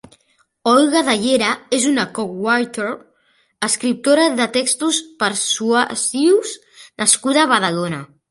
Olga de Llera és una copywriter Escriptora de textos persuassius nascuda a Badalona.